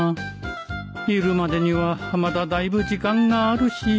昼までにはまだだいぶ時間があるし